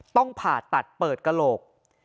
ต้องผ่าตัดเปิดกระโหลก